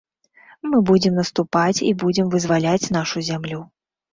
Мы будзем наступаць і будзем вызваляць нашу зямлю.